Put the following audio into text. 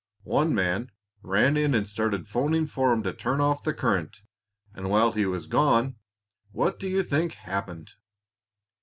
One man ran in and started 'phoning for 'em to turn off the current; and while he was gone, what do you think happened?